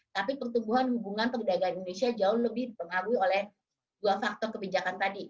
tapi pertumbuhan hubungan perdagangan indonesia jauh lebih dipengaruhi oleh dua faktor kebijakan tadi